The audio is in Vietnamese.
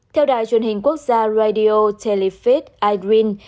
theo đài truyền hình quốc gia radio telefit ireen